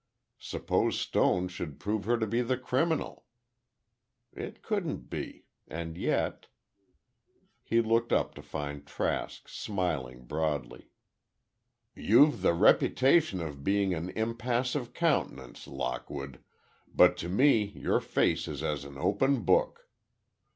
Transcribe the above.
Suppose Stone should prove her to be the criminal! It couldn't be—and yet— He looked up to find Trask smiling broadly. "You've the reputation of being of an impassive countenance, Lockwood, but to me your face is as an open book!